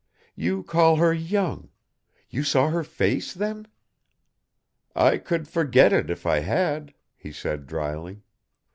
"You call her young. You saw her face, then?" "I could forget it if I had," he said dryly.